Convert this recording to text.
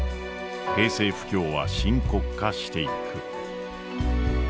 平成不況は深刻化していく。